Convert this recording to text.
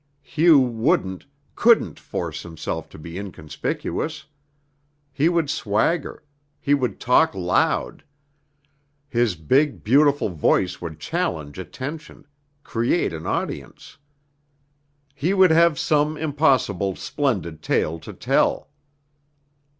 Hugh wouldn't, couldn't force himself to be inconspicuous. He would swagger; he would talk loud; his big, beautiful voice would challenge attention, create an audience. He would have some impossible, splendid tale to tell.